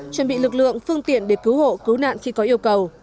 chuẩn bị lực lượng phương tiện để cứu hộ cứu nạn khi có yêu cầu